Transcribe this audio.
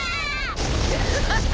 アハハハ！